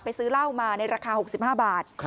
ซื้อเหล้ามาในราคา๖๕บาท